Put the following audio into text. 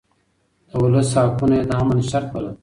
د ولس حقونه يې د امن شرط بلل.